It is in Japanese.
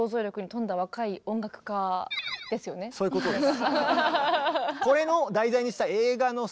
そういうことです。